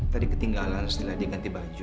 tadi ketinggalan setelah dia ganti baju